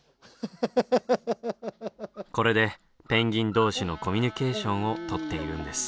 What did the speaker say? これでペンギン同士のコミュニケーションをとっているんです。